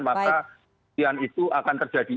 maka tian itu akan terjadi